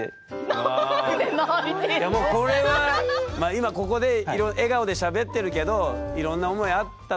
今ここで笑顔でしゃべってるけどいろんな思いあったっていうことですよね？